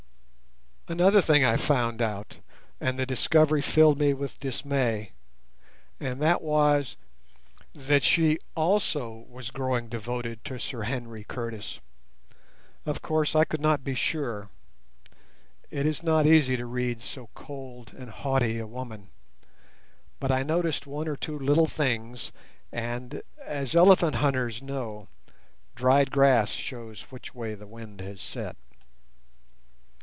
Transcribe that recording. Another thing I found out, and the discovery filled me with dismay, and that was, that she also was growing devoted to Sir Henry Curtis. Of course I could not be sure; it is not easy to read so cold and haughty a woman; but I noticed one or two little things, and, as elephant hunters know, dried grass shows which way the wind has set.